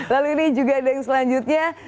lalu ini juga ada yang selanjutnya